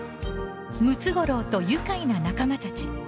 「ムツゴロウとゆかいな仲間たち」